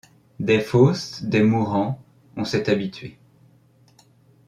Des fosses, des mourants ; on s'est habitué ;